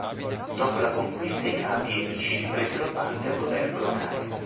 Dopo la conquista i capi emishi presero parte al governo locale.